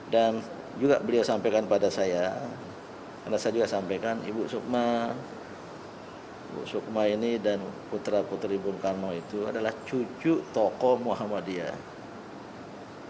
dan juga beliau sampaikan pada saya karena saya juga sampaikan ibu sukma ibu sukma ini dan putra putri bung karno itu adalah cucu tokoh muhammadiyah